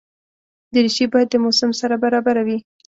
دریشي باید د موسم سره برابره وي.